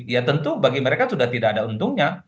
ya tentu bagi mereka sudah tidak ada untungnya